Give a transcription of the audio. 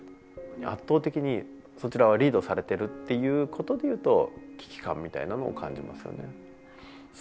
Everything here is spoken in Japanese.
圧倒的にそちらはリードされてるっていうことでいうと危機感みたいなのを感じますよね。